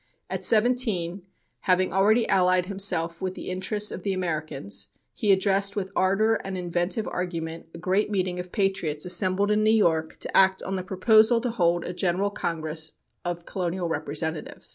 At seventeen, having already allied himself with the interests of the Americans, he addressed with ardor and inventive argument a great meeting of patriots assembled in New York to act on the proposal to hold a general congress of colonial representatives.